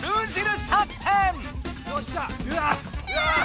うわ！